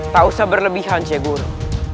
tak usah berlebihan cik guru